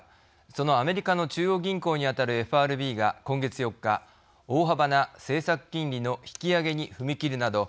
そのアメリカの中央銀行に当たるＦＲＢが今月４日大幅な政策金利の引き上げに踏み切るなど